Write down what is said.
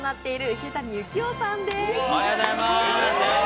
池谷幸雄さんです。